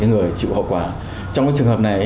người chịu hậu quả trong trường hợp này